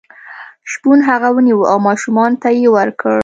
شپون هغه ونیو او ماشومانو ته یې ورکړ.